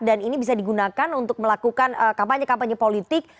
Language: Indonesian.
dan ini bisa digunakan untuk melakukan kampanye kampanye politik